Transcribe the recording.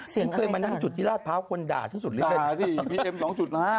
เสียงเผลอในครองตรวรรณล่าดพร้าวตอนด่าท้อนสุดหรือกิน